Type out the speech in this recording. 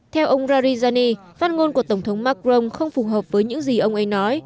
theo ông rarijani phát ngôn của tổng thống macron không phù hợp với những gì ông ấy nói